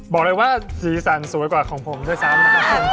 บอกเลยว่าสีสันสวยกว่าของผมด้วยซ้ำ